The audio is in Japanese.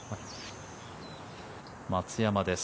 松山です。